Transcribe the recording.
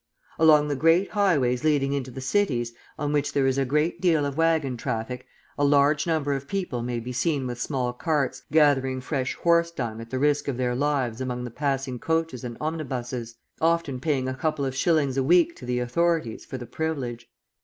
Along the great highways leading into the cities, on which there is a great deal of waggon traffic, a large number of people may be seen with small carts, gathering fresh horse dung at the risk of their lives among the passing coaches and omnibuses, often paying a couple of shillings a week to the authorities for the privilege.